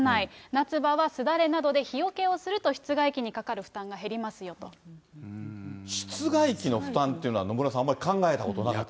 夏場はすだれなどで日よけをすると、室外機にかかる負担が減りま室外機の負担っていうのは、野村さん、あんまり考えたことなかった。